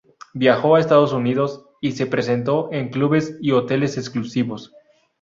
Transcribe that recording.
Viajó a Estados Unidos y se presentó en clubes y hoteles exclusivos.